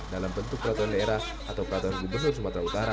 dalam bentuk peraturan daerah atau peraturan gubernur sumatera utara